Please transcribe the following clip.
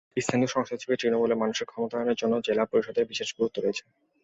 স্থানীয় সংস্থা হিসেবে তৃণমূলের মানুষের ক্ষমতায়নের জন্য জেলা পরিষদের বিশেষ গুরুত্ব রয়েছে।